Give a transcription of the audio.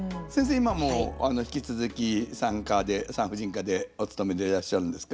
今も引き続き産婦人科でお勤めでいらっしゃるんですか？